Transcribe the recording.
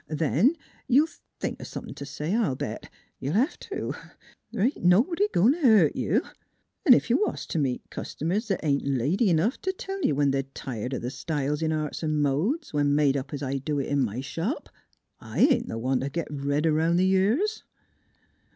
Then you'll think o' somepin' t' say, I'll bet. You'll hev to. Th' ain't nobody goin' t' hurt you ; 'n' ef you was t' meet cust'mers that ain't lady enough t' tell you they're tired o' th' styles in Arts 'n' Modes, when made up es I do it in my shop, / ain't th' one t' git red 'round th' years."